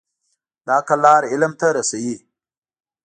د عقل لار علم ته رسوي.